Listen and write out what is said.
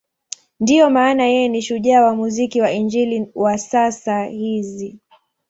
Ndiyo maana yeye ni shujaa wa muziki wa Injili wa sasa hizi.